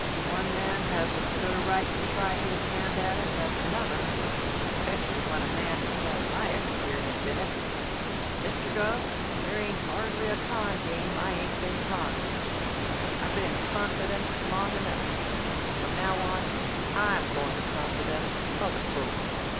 "One man has as good a right to try his hand at it as another, especially when a man has had my experience in it. Mr. Gubb, there ain't hardly a con' game I ain't been conned with. I been confidenced long enough; from now on I'm goin' to confidence other folks.